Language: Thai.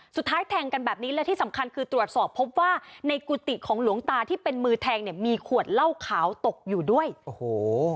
แทงกันแบบนี้และที่สำคัญคือตรวจสอบพบว่าในกุฏิของหลวงตาที่เป็นมือแทงเนี่ยมีขวดเหล้าขาวตกอยู่ด้วยโอ้โห